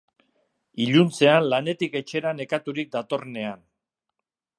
Iluntzean lanetik etxera nekaturik datorrenean.